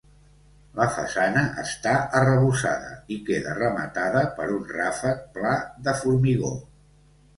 La façana està arrebossada i queda rematada per un ràfec pla de formigó.